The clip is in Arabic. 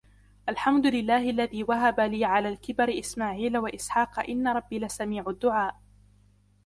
الْحَمْدُ لِلَّهِ الَّذِي وَهَبَ لِي عَلَى الْكِبَرِ إِسْمَاعِيلَ وَإِسْحَاقَ إِنَّ رَبِّي لَسَمِيعُ الدُّعَاءِ